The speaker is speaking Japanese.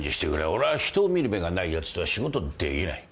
俺は人を見る目がないやつとは仕事できない。